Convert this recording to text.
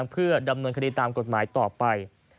เพื่อดำเนินคดีตามกฎหมายต่อไป